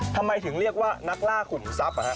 ทำไมถึงเรียกว่านักล่าขุมทรัพย์